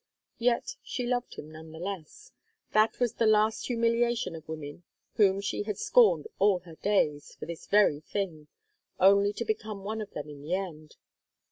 Yet she loved him none the less; that was the last humiliation of women whom she had scorned all her days for this very thing, only to become one of them in the end.